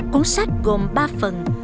cuốn sách gồm ba phần